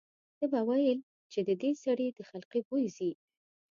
ده به ویل چې د دې سړي د خلقي بوی ځي.